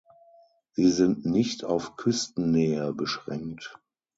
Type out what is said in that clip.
Sie sind nicht auf Küstennähe beschränkt.